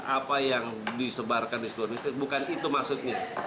apa yang disebarkan di seluruh indonesia bukan itu maksudnya